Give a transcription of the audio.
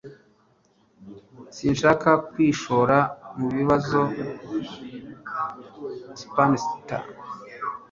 Sinshaka kwishora mu bibazo. (Spamster)